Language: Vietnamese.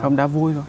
không đá vui thôi